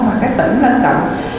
và các tỉnh lân cận